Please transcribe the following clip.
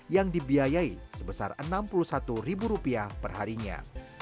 yang dibiayai sebesar rp enam puluh satu perharinya